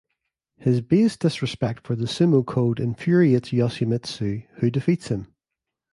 His base disrespect for the sumo code infuriates Yoshimitsu, who defeats him.